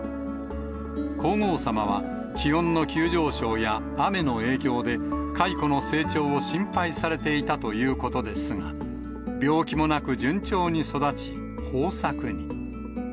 皇后さまは、気温の急上昇や雨の影響で、蚕の成長を心配されていたということですが、病気もなく、順調に育ち、豊作に。